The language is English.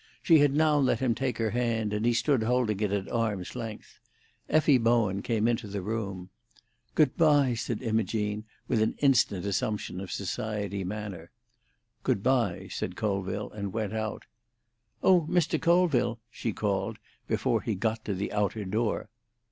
She had now let him take her hand, and he stood holding it at arm's length. Effie Bowen came into the room. "Good bye," said Imogene, with an instant assumption of society manner. "Good bye," said Colville, and went out. "Oh, Mr. Colville!" she called, before he got to the outer door.